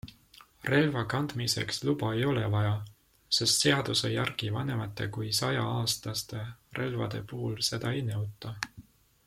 Relvakandmiseks luba ei ole vaja, sest seaduse järgi vanemate kui sajaaastaste relvade puhul seda ei nõuta.